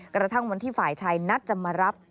กระทั่งวันที่ฝ่ายชายนัดจะมารับ